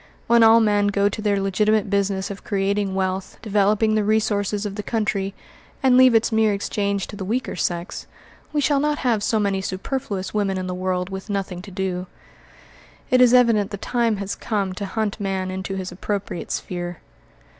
When all men go to their legitimate business of creating wealth, developing the resources of the country, and leave its mere exchange to the weaker sex, we shall not have so many superfluous women in the world with nothing to do. It is evident the time has come to hunt man into his appropriate sphere.